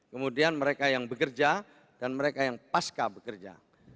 kemudian mereka yang bekerja dan mereka yang pasca bekerja